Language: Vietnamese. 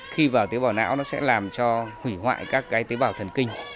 khi vào tế bào não nó sẽ làm cho hủy hoại các cái tế bào thần kinh